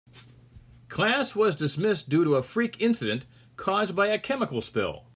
Class was dismissed due to a freak incident caused by a chemical spill.